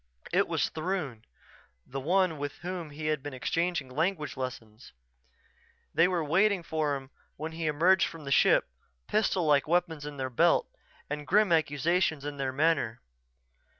It was Throon, the one with whom he had been exchanging language lessons. They were waiting for him when he emerged from the ship, pistol like weapons in their belts and grim accusation in their manner.